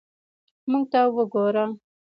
موږ ته وګوره.